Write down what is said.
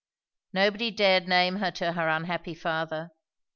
Nobody dared name her to her unhappy father.